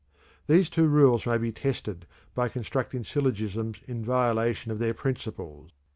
These two rules may be tested by constructing syllogisms in violation of their principles.